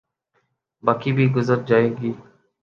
باقی بھی گزر جائے گی۔